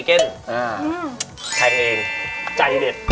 ยังไม่โดน